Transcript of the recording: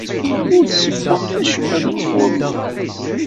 Ur d-tessewwemt acemma deg ufarnu.